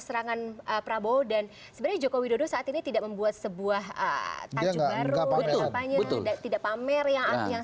seperti yang tadi mas henry bilang